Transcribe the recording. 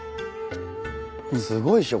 すごいでしょ？